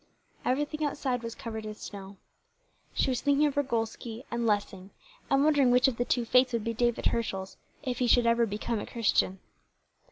Everything outside was covered with snow. She was thinking of Ragolsky and Lessing, and wondering which of the two fates would be David Herschel's, if he should ever become a Christian.